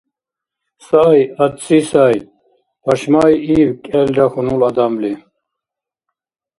— Сай ацци, сай! — пашмай иб кӏелра хьунул адамли.